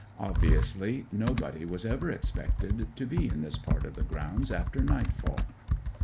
Obviously nobody was ever expected to be in this part of the grounds after nightfall.